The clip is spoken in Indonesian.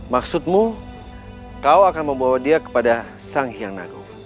maksudmu kau akan membawa dia kepada sang hyang nago